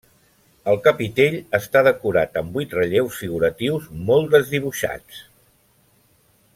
El capitell està decorat amb vuit relleus figuratius molt desdibuixats.